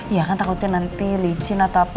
ya kan takutin nanti licin atau apa